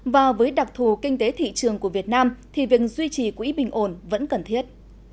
và với đặc thù kinh tế thị trường của việt nam thì việc duy trì quỹ bình ổn vẫn cần thiết